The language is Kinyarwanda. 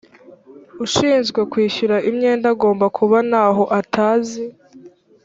ushinzwe kwishyuza imyenda agomba kuba ntaho atazi